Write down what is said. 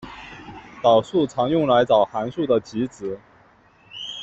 导数常用来找函数的极值。